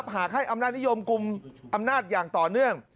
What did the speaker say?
หากให้อำนาจนิยมกลุ่มอำนาจอย่างต่อเนื่อง